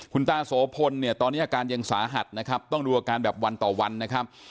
คุณตาโสพลเนี่ยตอนนี้อาการยังสาหัสนะครับต้องดูอาการแบบวันต่อวันนะครับ